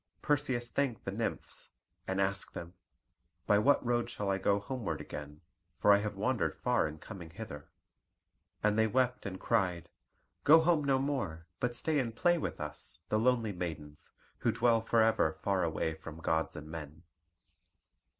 Perseus thanked the Nymphs, and asked them, "By what road shall I go homeward again, for I have wandered far in coming hither?" And they wept and cried, "Go home no more, but stay and play with us, the lonely maidens, who dwell for ever far away from gods and men."